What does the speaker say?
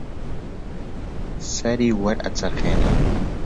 سەری وەرئەچەرخێنێ